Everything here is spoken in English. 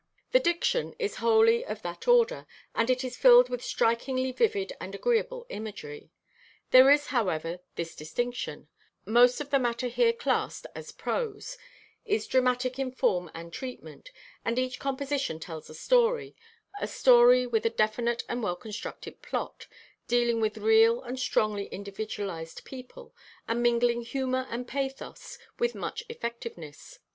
The diction is wholly of that order, and it is filled with strikingly vivid and agreeable imagery. There is, however, this distinction: most of the matter here classed as prose is dramatic in form and treatment, and each composition tells a story—a story with a definite and well constructed plot, dealing with real and strongly individualized people, and mingling humor and pathos with much effectiveness.